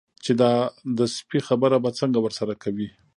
چې دا د سپي خبره به څنګه ورسره کوي.